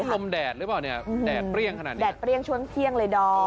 ลมแดดหรือเปล่าเนี่ยแดดเปรี้ยงขนาดนี้แดดเปรี้ยงช่วงเที่ยงเลยดอม